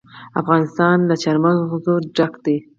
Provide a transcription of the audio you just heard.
افغانستان له چار مغز ډک دی.